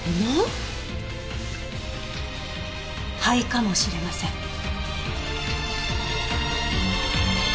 灰かもしれません。